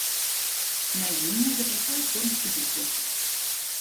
На зіму запасае корм у дуплах.